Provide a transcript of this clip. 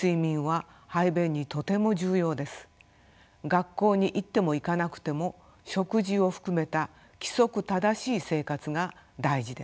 学校に行っても行かなくても食事を含めた規則正しい生活が大事です。